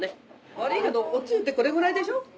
悪いけどお汁ってこれぐらいでしょ？